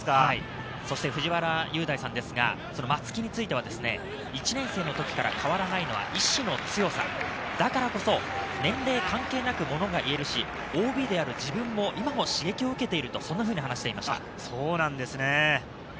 そして藤原優大さんですが、松木については、１年生の時から変わらないのは意思の強さ、だからこそ年齢関係なく、ものが言えるし、ＯＢである自分も今も刺激を受けていると話していました。